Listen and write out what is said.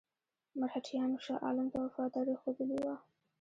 مرهټیانو شاه عالم ته وفاداري ښودلې وه.